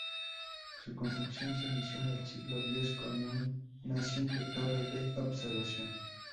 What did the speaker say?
Su construcción se inició en el siglo X, con una simple torre de observación.